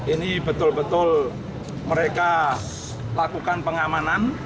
ini betul betul mereka lakukan pengamanan